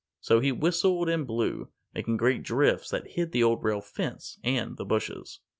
So he whistled and blew, making great drifts that hid the Old Rail Fence and the bushes.